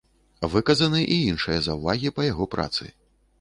Выказаны і іншыя заўвагі па яго працы.